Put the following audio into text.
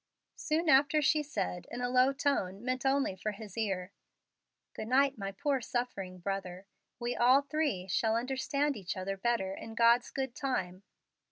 Soon after she said, in a low tone meant only for his ear, "Good night, my poor suffering brother. We all three shall understand each other better in God's good time."